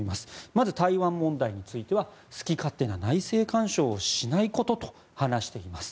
まず台湾問題については好き勝手な内政干渉をしないことと話しています。